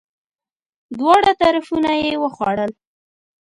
دواړه طرفونه یی وخوړل!